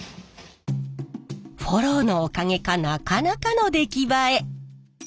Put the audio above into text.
フォローのおかげかなかなかの出来栄え。